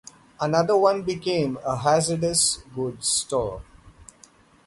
Another one became a hazardous goods store.